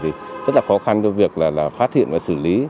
thì rất là khó khăn cho việc là phát hiện và xử lý